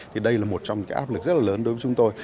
thì đây là một trong những cái áp lực rất là lớn đối với chúng tôi